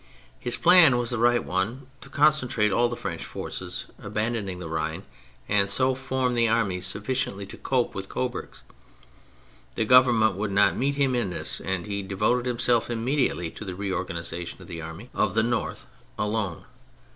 His plan was the right one : to concentrate all the French forces (abandoning the Rhine) and so form an army sufficient to cope with Coburg's. The Govern ment would not meet him in this, and he de voted himself immediately to the reorganisa tion of the Army of the North alone.